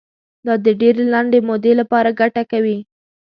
دا د ډېرې لنډې مودې لپاره ګټه کوي.